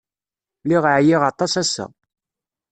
Lliɣ ɛyiɣ aṭas ass-a.